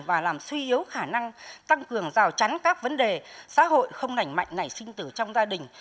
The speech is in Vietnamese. và làm suy yếu khả năng tăng cường rào chắn các vấn đề xã hội không nảnh mạnh nảy sinh tử trong gia đình